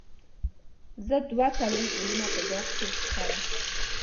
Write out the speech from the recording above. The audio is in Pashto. زه دوه څلوېښت ګلونه په باغ کې وکرل.